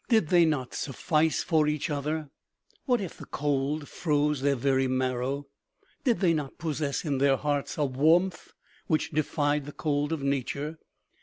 Did they not suf fice for each other ? What if the cold froze their very marrow ? Did they not possess in their hearts a warmth which defied the cold of nature